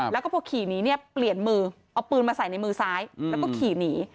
แล้วก็พอขี่หนีเนี่ยเปลี่ยนมือเอาปืนมาใส่ในมือซ้ายแล้วก็ขี่หนี